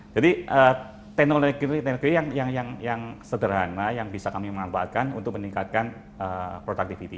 jadi teknologi teknologi yang sederhana yang bisa kami manfaatkan untuk meningkatkan productivity